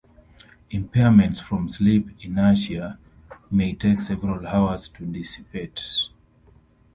Impairment from sleep inertia may take several hours to dissipate.